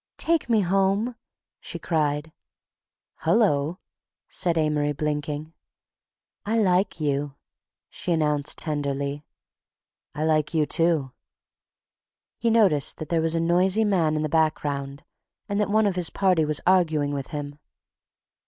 "Take me home!" she cried. "Hello!" said Amory, blinking. "I like you," she announced tenderly. "I like you too." He noticed that there was a noisy man in the background and that one of his party was arguing with him.